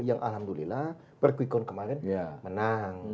yang alhamdulillah perquikun kemarin menang